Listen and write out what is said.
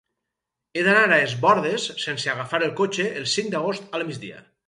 He d'anar a Es Bòrdes sense agafar el cotxe el cinc d'agost al migdia.